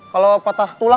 kalau patah tulang